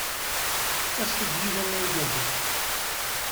Aset-d yid-i a igerdan.